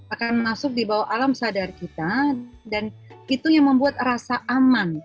akan masuk di bawah alam sadar kita dan itu yang membuat rasa aman